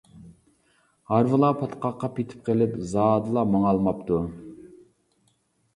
ھارۋىلار پاتقاققا پېتىپ قېلىپ، زادىلا ماڭالماپتۇ.